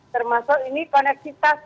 termasuk ini koneksitas